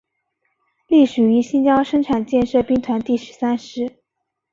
隶属于新疆生产建设兵团第十三师。